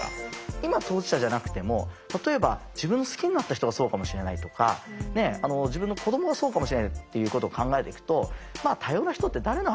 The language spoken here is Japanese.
今当事者じゃなくても例えば自分が好きになった人がそうかもしれないとか自分の子どもがそうかもしれないっていうことを考えていくと多様な人って誰の話？